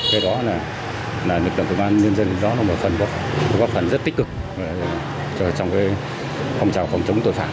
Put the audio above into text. thế đó là lực lượng của ban nhân dân đó là một phần rất tích cực trong cái phòng trào phòng chống tội phạm